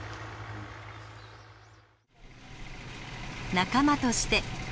仲間として。